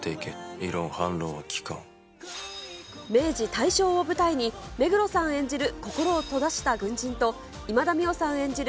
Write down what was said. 異論、明治、大正を舞台に、目黒さん演じる心を閉ざした軍人と、今田美桜さん演じる